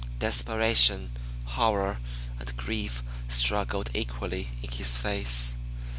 Desperation, horror, and grief struggled equally in his face.